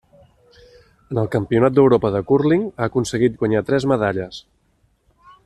En el Campionat d'Europa de cúrling ha aconseguit guanyar tres medalles.